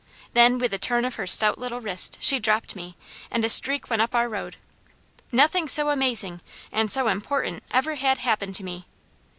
Then with a turn of her stout little wrist, she dropped me, and a streak went up our road. Nothing so amazing and so important ever had happened to me.